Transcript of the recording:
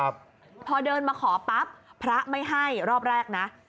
พอเดินมาขอปั๊บพระไม่ให้รอบแรกนะ